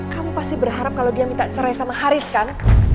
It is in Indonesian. kamu pasti berharap kalau dia minta cerai sama haris kan